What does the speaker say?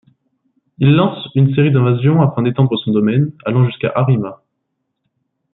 Il lance une série d'invasions afin d'étendre son domaine, allant jusqu'à Harima.